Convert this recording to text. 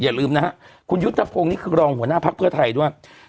อย่าลืมนะฮะคุณยุทธพงศ์นี่คือรองหัวหน้าภักดิ์เพื่อไทยด้วย